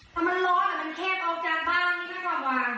ถ้ามันร้อนแต่มันแคบเอาจากบ้างนี่ก็ได้กลับกว่า